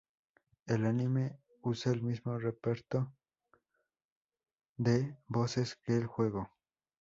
El anime usa el mismo reparto de voces que el juego.